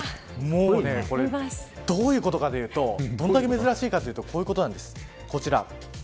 どういうことかというとどれだけ珍しいかというとこういうことなんです。